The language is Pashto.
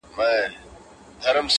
خوږ دی مرگی چا ويل د ژوند ورور نه دی,